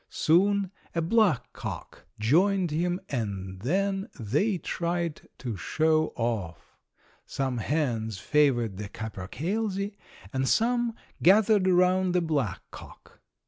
Soon a black cock joined him and then they tried to show off. Some hens favored the capercailzie and some gathered around the black cock.